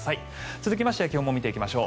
続きまして気温も見ていきましょう。